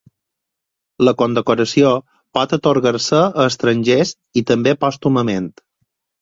La condecoració pot atorgar-se a estrangers i també pòstumament.